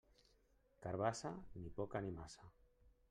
Carabassa, ni poca ni massa.